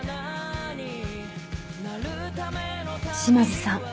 島津さん